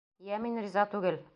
Йә мин риза түгел!